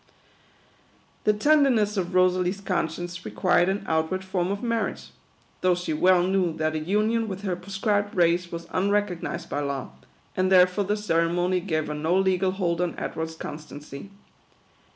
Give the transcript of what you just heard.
The tenderness of Rosalie's conscience required an outward form of marriage ; though she well knew that a union with her proscribed race was unrecog nised by law, and therefore the ceremony gave her no legal hold on Edward's constancy.